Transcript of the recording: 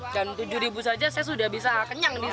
dan tujuh ribu saja saya sudah bisa kenyang di sini ya